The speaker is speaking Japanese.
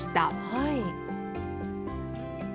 はい。